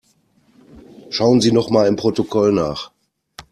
Schauen Sie nochmal im Protokoll nach.